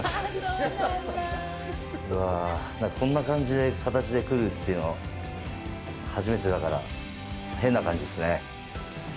なんか、こんな感じで、形で来るというのは初めてだから変な感じですね。